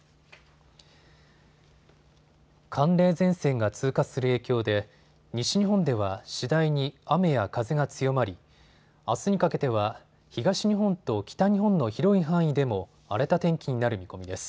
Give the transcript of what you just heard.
寒冷前線が通過する影響で西日本では次第に雨や風が強まりあすにかけては東日本と北日本の広い範囲でも荒れた天気になる見込みです。